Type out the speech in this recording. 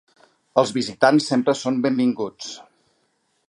Els visitants sempre són benvinguts.